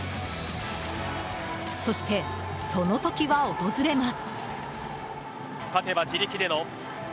そして、その時は訪れます。